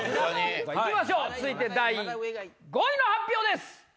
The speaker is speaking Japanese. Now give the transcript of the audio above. いきましょう続いて第５位の発表です。